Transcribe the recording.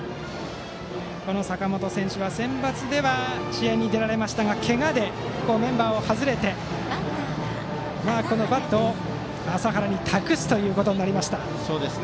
さかもと選手はセンバツでは試合に出られましたがけがでメンバーを外れてこのバットを麻原に託すことになりました。